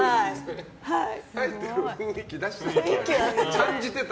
入ってる雰囲気は感じてた。